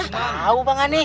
tau bang aneh